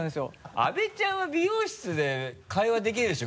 阿部ちゃんは美容室で会話できるでしょ？